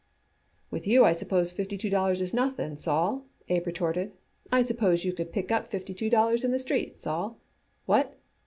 "With you I suppose fifty two dollars is nothing, Sol?" Abe retorted. "I suppose you could pick up fifty two dollars in the streets, Sol. What?